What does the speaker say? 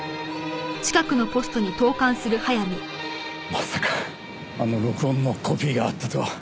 まさかあの録音のコピーがあったとは。